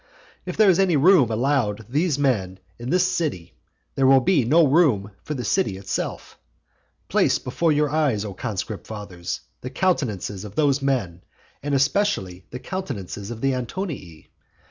If there is any room allowed these men in this city, there will be no room for the city itself. Place before your eyes, O conscript fathers, the countenances of those men, and especially the countenances of the Antonii.